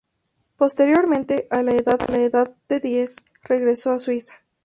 Posteriormente, a la edad de diez, regresó a Suiza.